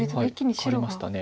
変わりました。